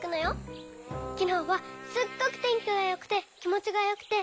きのうはすっごくてんきがよくてきもちがよくて。